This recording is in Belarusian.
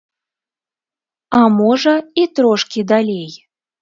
А можа, і трошкі далей.